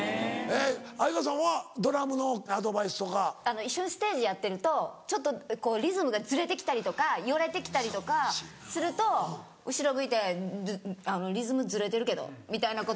相川さんは？ドラムのアドバイスとか。一緒にステージやってるとちょっとリズムがズレてきたりとかよれてきたりとかすると後ろ向いて「リズムズレてるけど」みたいなことを。